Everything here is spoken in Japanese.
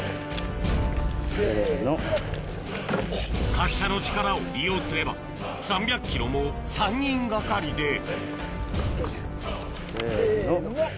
滑車の力を利用すれば３００ｋｇも３人がかりでせの！せの！